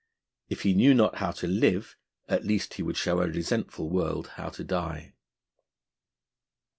If he knew not how to live, at least he would show a resentful world how to die.